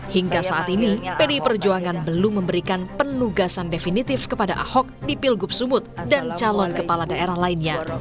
hingga saat ini pdi perjuangan belum memberikan penugasan definitif kepada ahok di pilgub sumut dan calon kepala daerah lainnya